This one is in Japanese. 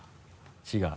違う？